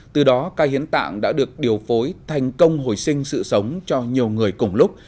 từ đó ca hiến tạng đã được điều phối thành công hồi sinh sự sống cho nhiều người cùng lúc